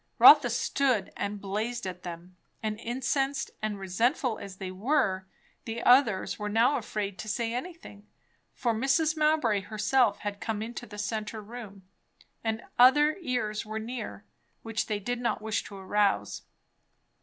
Rotha stood and blazed at them; and incensed and resentful as they were, the others were afraid now to say anything; for Mrs. Mowbray herself had come into the centre room, and other ears were near, which they did not wish to arouse.